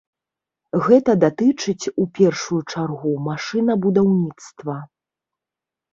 Гэта датычыць у першую чаргу машынабудаўніцтва.